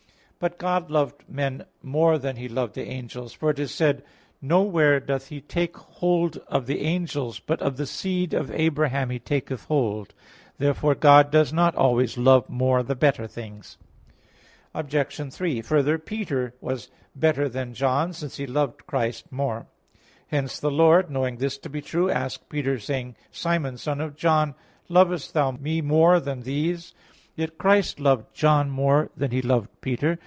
8:6). But God loved men more than He loved the angels, for it is said: "Nowhere doth He take hold of the angels, but of the seed of Abraham He taketh hold" (Heb. 2:16). Therefore God does not always love more the better things. Obj. 3: Further, Peter was better than John, since he loved Christ more. Hence the Lord, knowing this to be true, asked Peter, saying: "Simon, son of John, lovest thou Me more than these?" Yet Christ loved John more than He loved Peter.